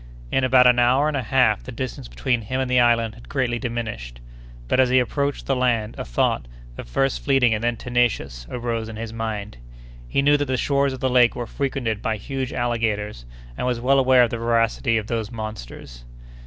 In about an hour and a half the distance between him and the island had greatly diminished. But as he approached the land, a thought, at first fleeting and then tenacious, arose in his mind. He knew that the shores of the lake were frequented by huge alligators, and was well aware of the voracity of those monsters.